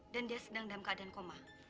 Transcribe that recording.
dan dia sedang dalam keadaan koma